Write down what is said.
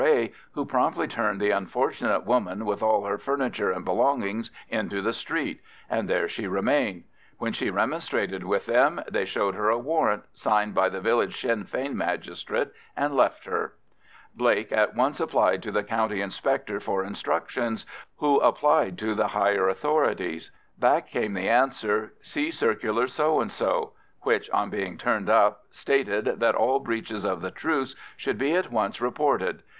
A., who promptly turned the unfortunate woman with all her furniture and belongings into the street, and there she remained. When she remonstrated with them they showed her a warrant signed by the village Sinn Fein magistrate and left her. Blake at once applied to the County Inspector for instructions, who applied to the higher authorities. Back came the answer, "See circular so and so," which on being turned up stated that all breaches of the Truce should be at once reported.